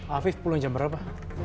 afif pulang jam berapa